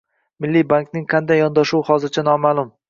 Milliy bankning qanday yondashuvi hozircha noma'lum